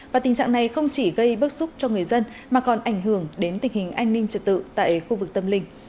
và tình trạng này không chỉ gây bức xúc cho người dân mà còn ảnh hưởng đến tình hình an ninh trật tự tại khu vực tâm linh